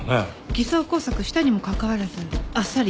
偽装工作したにもかかわらずあっさり自白しています。